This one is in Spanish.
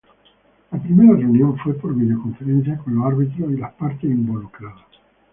La primera reunión fue por videoconferencia con los árbitros y las partes involucradas.